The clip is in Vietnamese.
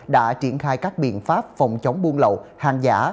đã triển khai các biện pháp phòng chống buôn lậu hàng giả